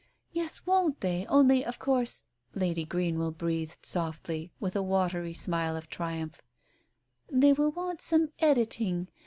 "Yes, won't they, only, of course," Lady Greenwell breathed softly, with a watery smile of triumph, "they will want some editing.